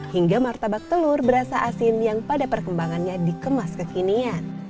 hingga martabak telur berasa asin yang pada perkembangannya dikemas kekinian